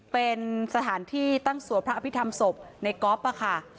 เป็นสถานที่ตั้งสวดพระอภิษฐรรมศพในก๊อฟค่ะ